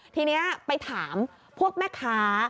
ทีนี้ไปถามพวกแม่ค้า